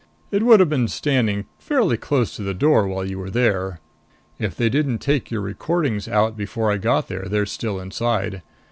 It would have been standing fairly close to the door while you were there. If they didn't take your recordings out before I got there, they're still inside.